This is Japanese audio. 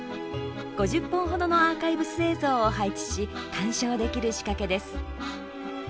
５０本程のアーカイブス映像を配置し鑑賞できる仕掛けです。